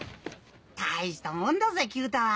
大したもんだぜ九太は。